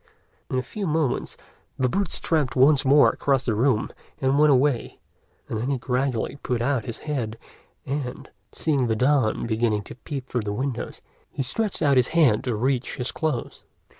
In a few moments, the boots tramped once more across the room and went away; and then he gradually put out his head, and, seeing the dawn beginning to peep through the window, he stretched out his hand to reach his clothes.